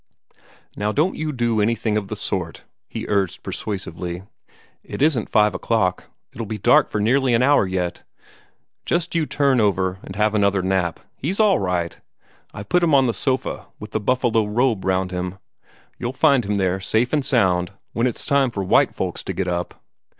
"Now don't you do anything of the sort," he urged persuasively. "It isn't five o'clock; it'll be dark for nearly an hour yet. Just you turn over, and have another nap. He's all right. I put him on the sofa, with the buffalo robe round him. You'll find him there, safe and sound, when it's time for white folks to get up.